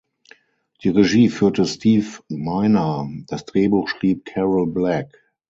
Die Regie führte Steve Miner, das Drehbuch schrieb Carol Black.